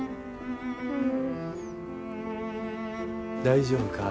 大丈夫か？